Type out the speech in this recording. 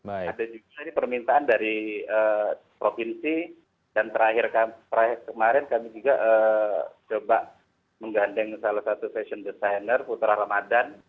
ada juga ini permintaan dari provinsi dan terakhir kemarin kami juga coba menggandeng salah satu fashion designer putra ramadhan